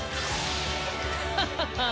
ハハハハ！